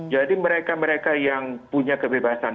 jadi mereka mereka yang punya kebebasan